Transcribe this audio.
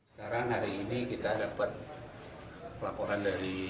sekarang hari ini kita dapat pelaporan dari bnn